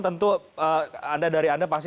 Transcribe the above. tentu anda dari anda pasti